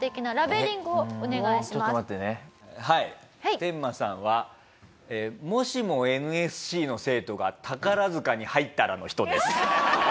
テンマさんはもしもＮＳＣの生徒が宝塚に入ったらの人です。